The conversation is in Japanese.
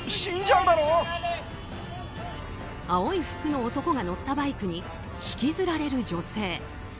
青い服の男が乗ったバイクに引きずられる女性。